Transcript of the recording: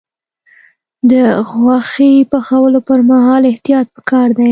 د غوښې پخولو پر مهال احتیاط پکار دی.